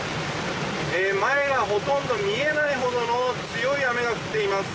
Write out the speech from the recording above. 前はほとんど見えないほどの強い雨が降っています。